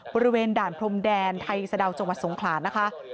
บริเวณด่านพรมแดนไทยสะดาวจังหวัดสงขลานะคะ